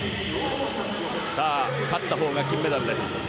勝ったほうが金メダルです。